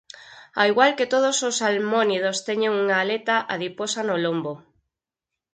Ao igual que todos os salmónidos teñen unha aleta adiposa no lombo.